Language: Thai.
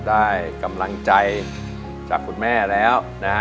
ได้กำลังใจจากคุณแม่แล้วนะฮะ